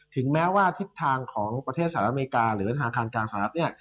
ถึงแม้ว่าทิศทางของประเทศสหรัฐอเมริกาหรือธนาคารกลางสหรัฐเนี่ย